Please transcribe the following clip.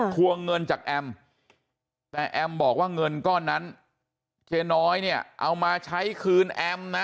วงเงินจากแอมแต่แอมบอกว่าเงินก้อนนั้นเจ๊น้อยเนี่ยเอามาใช้คืนแอมนะ